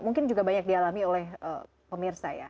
mungkin juga banyak di alami oleh pemirsa ya